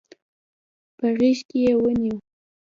په غېږ کې يې ونيو.